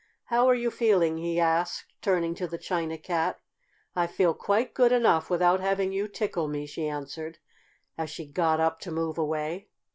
"How are you feeling?" he asked, turning to the China Cat. "I feel quite good enough without having you tickle me," she answered, as she got up to move away.